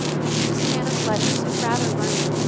He was a man of letters and rather learned.